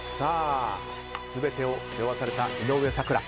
全てを背負わされた井上咲楽。